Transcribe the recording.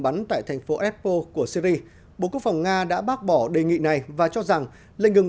bắn tại thành phố appo của syri bộ quốc phòng nga đã bác bỏ đề nghị này và cho rằng lệnh ngừng